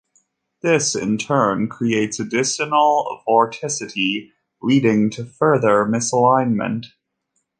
This in turn creates additional vorticity, leading to further misalignment.